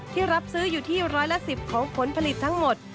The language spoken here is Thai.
รับซื้ออยู่ที่ร้อยละ๑๐ของผลผลิตทั้งหมด